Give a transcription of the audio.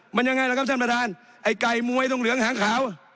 มันยังไงล่ะครับท่านประธานไอ้ไก่มวยตรงเหลืองหางขาว